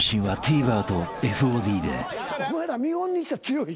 お前ら見本にしては強い。